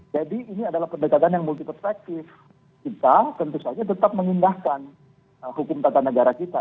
jadi ini adalah pendekatan yang multi perspektif kita tentu saja tetap mengindahkan hukum tata negara kita